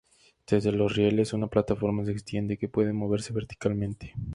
Desde los rieles, una plataforma se extiende, que puede moverse verticalmente.